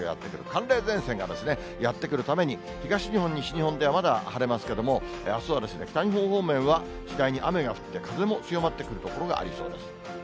寒冷前線がやって来るために、東日本、西日本ではまだ、晴れますけれども、あすは北日本方面は次第に雨が降って、風も強まってくる所がありそうです。